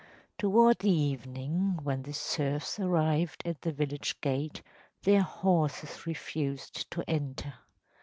Toward the evening, when the serfs arrived at the village gate, their horses refused to enter.